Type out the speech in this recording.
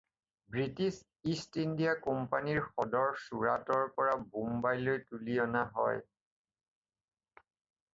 চনত British East India কোম্পানীৰ সদৰ চুৰাটৰ পৰা বোম্বাইলৈ তুলি অনা হয়।